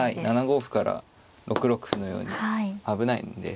７五歩から６六歩のように危ないので。